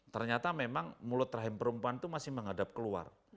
ternyata memang mulut rahim perempuan itu masih menghadap keluar